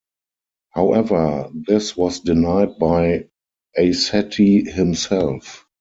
However, this was denied by Aisatti, himself.